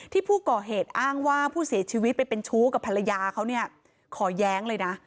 ที่ผู้ก่อเหตุอ้างว่าผู้เสียชีวิตไปเป็นชู้กับภรรยาเขาเนี่ยขอแย้งเลยนะ